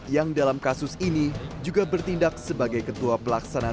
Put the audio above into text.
yang dalam kasus ini juga bertindak sebagai ketua pelaksanaan